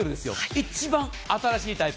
一番新しいタイプ。